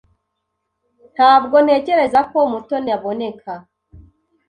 Ntabwo ntekereza ko Mutoni aboneka.